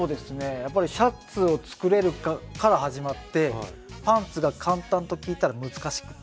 やっぱりシャツを作れるかから始まってパンツが簡単と聞いたら難しくて。